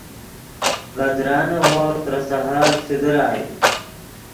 ڤے درانے ہورغ ترے سحر چے درائے